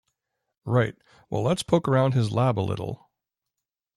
Right, well let's poke around his lab a little.